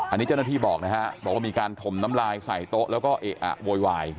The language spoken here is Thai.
อันนี้เจ้าหน้าที่บอกนะฮะบอกว่ามีการถมน้ำลายใส่โต๊ะแล้วก็เอะอะโวยวาย